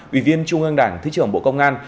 ủy viên trung ương đảng thứ trưởng bộ công an